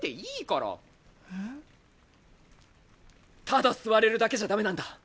ただ吸われるだけじゃ駄目なんだ。